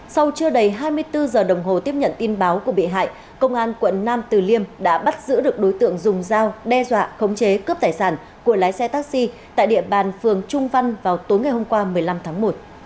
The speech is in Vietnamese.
sau chưa đầy hai mươi bốn giờ đồng hồ tiếp nhận tin báo của bị hại công an quận nam từ liêm đã bắt giữ được đối tượng dùng dao đe dọa khống chế cướp tài sản của lái xe taxi tại địa bàn phường trung văn vào tối ngày hôm qua một mươi năm tháng một